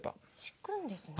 敷くんですね。